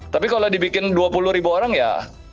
tapi kalau dibikin dua puluh ribu orang ya